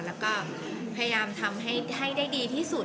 แล้วก็พยายามทำให้ได้ดีที่สุด